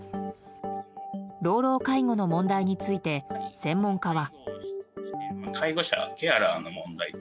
老老介護の問題について専門家は。